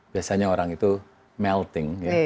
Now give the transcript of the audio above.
biasanya orang itu melting